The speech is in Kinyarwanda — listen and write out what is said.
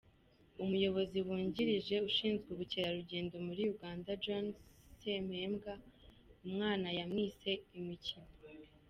Umuyobozi wungirije ushinzwe ubukerarugendo muri Uganda John Sempebwa umwana yamwise “Imikino”.